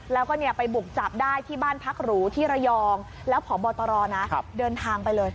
แล้วก็เนี่ยไปบุกจับได้ที่บ้านพรรครุที่ระยองแล้วขอบอดตรอน่ะครับเดินทางไปเลย